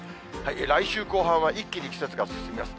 来週後半は一気に季節が進みます。